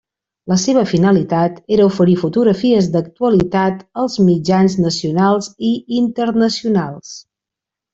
La seva finalitat era oferir fotografies d'actualitat als mitjans nacionals i internacionals.